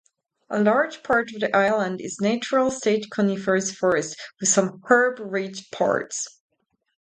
A large part of the island is natural-state coniferous forest, with some herb-rich parts.